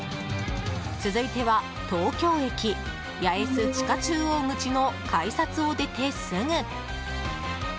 続いては東京駅八重洲地下中央口の改札を出てすぐ。